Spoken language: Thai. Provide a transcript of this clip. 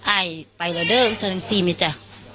อ้ายไปแล้วเดิมจะจัดการซีมอีกจ้ะ